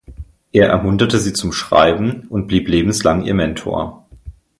Er ermunterte sie zum Schreiben und blieb lebenslang ihr Mentor.